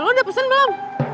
lo udah pesen belum